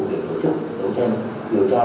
để tổ chức đấu tranh điều tra